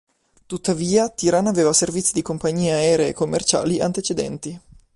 Tuttavia, Tirana aveva servizi di compagnie aeree commerciali antecedenti.